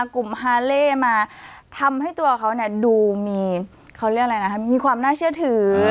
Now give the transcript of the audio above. กลุ่มฮาเลดูมีความน่าเชื่อถือ